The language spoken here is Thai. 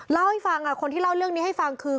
เล่าให้ฟังคนที่เล่าเรื่องนี้ให้ฟังคือ